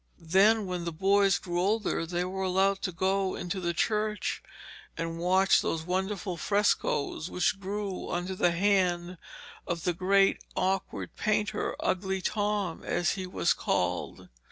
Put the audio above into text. Then when the boys grew older, they were allowed to go into the church and watch those wonderful frescoes, which grew under the hand of the great awkward painter, 'Ugly Tom,' as he was called.